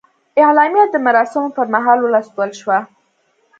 اعلامیه د مراسمو پر مهال ولوستل شوه.